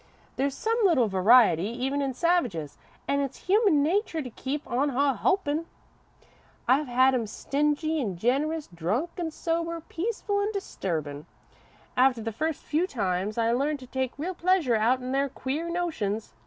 There's some little variety, even in savages, an' it's human natur' to keep on a hopin.' I've had 'em stingy an' generous, drunk an' sober, peaceful an' disturbin'. After the first few times, I learned to take real pleasure out'n their queer notions.